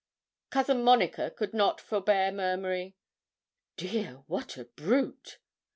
Cousin Monica could not forbear murmuring 'Dear! what a brute!'